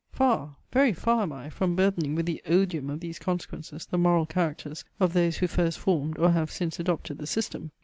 Far, very far am I from burthening with the odium of these consequences the moral characters of those who first formed, or have since adopted the system!